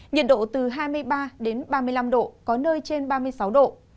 nhiệt độ từ hai mươi ba đến ba mươi năm độ có nơi trên ba mươi sáu độ